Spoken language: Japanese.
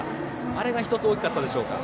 あれが１つ大きかったでしょうか。